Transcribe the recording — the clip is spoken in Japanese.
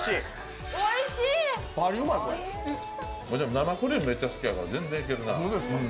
生クリーム好きやから全然いけるな。